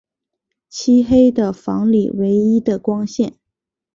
漆黑的房里唯一的光线